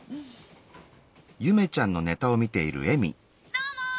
「どうも！